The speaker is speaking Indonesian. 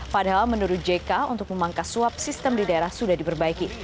padahal menurut jk untuk memangkas suap sistem di daerah sudah diperbaiki